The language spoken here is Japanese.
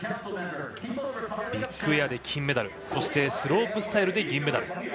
ビッグエアで金メダルそしてスロープスタイルで銀メダル。